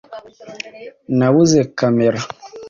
nabuze kamera